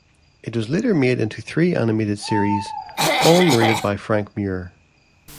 It was later made into three animated series, all narrated by Frank Muir.